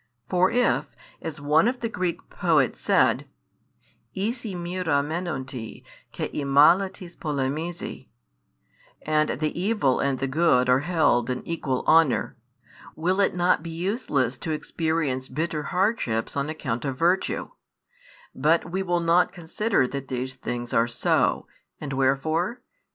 For if, as one of the Greek poets said: 11 Ἴση μοῖρα μένοντι, καὶ εἰ μάλα τις πολεμίζοι, and the evil and the good are held in equal honour, will it not be useless to experience bitter hardships on account of virtue? But we will not consider that these things are so, and wherefore?